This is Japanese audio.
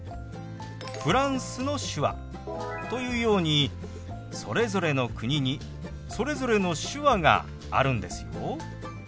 フランスの手話というようにそれぞれの国にそれぞれの手話があるんですよ。